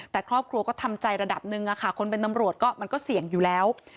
แต่ครอบครัวก็ทำใจระดับหนึ่งคนเป็นตำรวจก็มันก็เสี่ยงอยู่แล้ว